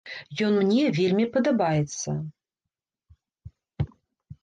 Ён мне вельмі падабаецца.